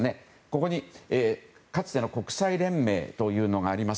ここに、かつての国際連盟というのがあります。